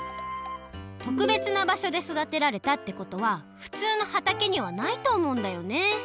とくべつな場所でそだてられたってことはふつうのはたけにはないとおもうんだよね。